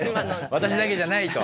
「私だけじゃない」と。